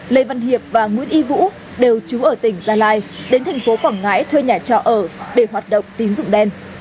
lê văn hiệp và nguyễn y vũ đều chú ở tỉnh gia lai đến tp quảng ngãi thuê nhà trò ở để hoạt động tín dụng đen